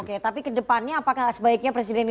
oke tapi ke depannya apakah sebaiknya presiden itu